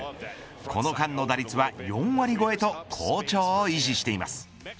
この間の打率は４割超えと好調を維持しています。